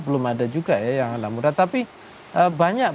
belum ada juga ya yang anak muda tapi banyak